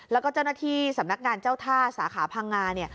แล้วก็เจ้าหน้าที่สำนักงานเจ้าท่าสาขาพังงา